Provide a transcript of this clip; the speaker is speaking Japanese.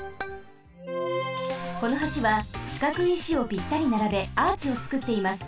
この橋はしかくい石をぴったりならべアーチをつくっています。